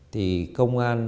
thì công an